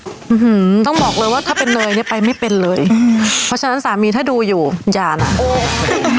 อืมต้องบอกเลยว่าถ้าเป็นเนยเนี้ยไปไม่เป็นเลยอืมเพราะฉะนั้นสามีถ้าดูอยู่อย่าน่ะโอ้ย